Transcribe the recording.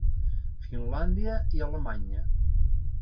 Finlàndia i Alemanya.